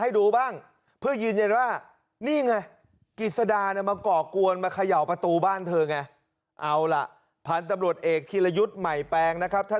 แล้วพอดีฉันกับคุณแม่อยู่หน้าบ้านก็จะเมื่อไหร่ไปพิมพ์ไลค์นี่มือทักที